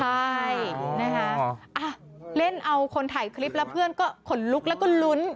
ใช่นะคะเล่นเอาคนถ่ายคลิปแล้วเพื่อนก็ขนลุกแล้วก็ลุ้น